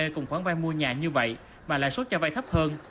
cùng khoản vai mua nhà như vậy mà lại xuất cho vai thấp hơn